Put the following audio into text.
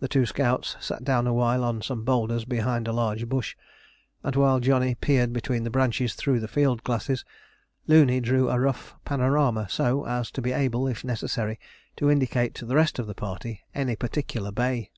The two scouts sat down awhile on some boulders behind a large bush, and while Johnny peered between the branches through the field glasses, Looney drew a rough panorama so as to be able if necessary to indicate to the rest of the party any particular bay.